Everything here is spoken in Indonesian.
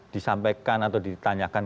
disampaikan atau ditanyakan